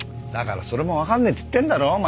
だからそれもわかんねえっつってんだろ。